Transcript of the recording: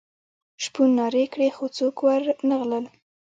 شپون نارې کړې خو څوک ور نه غلل.